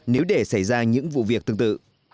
nếu để xảy ra những vụ việc tương tự